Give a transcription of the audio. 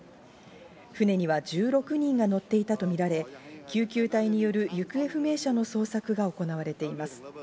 船には１６人が乗っていたとみられ、救急隊による行方不明者の捜索が行われています。